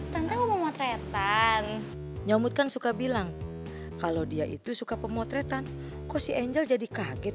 tante mau motretan nyamukkan suka bilang kalau dia itu suka pemotretan kosy angel jadi kaget